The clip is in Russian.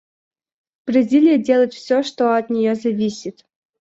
Бразилия делает все, что от нее зависит.